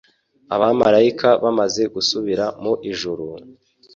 "Abamalayika bamaze gusubira mu ijuru,